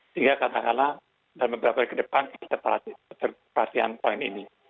sehingga katakanlah dalam beberapa hari ke depan kita pelatihan poin ini